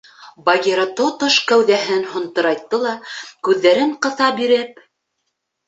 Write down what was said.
Багира тотош кәүҙәһен һонторайтты ла күҙҙәрен ҡыҫа биреп: